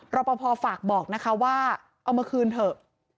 เราพอเพาะฝากบอกว่าเอามาคืนเถอะ